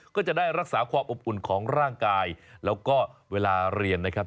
ก็จะได้รักษาความอบอุ่นของร่างกายแล้วก็เวลาเรียนนะครับ